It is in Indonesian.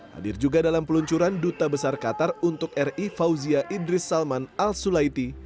hadir juga dalam peluncuran duta besar qatar untuk ri fauzia idris salman al sulaiti